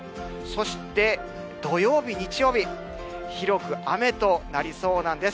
そして土曜日、日曜日、広く雨となりそうなんです。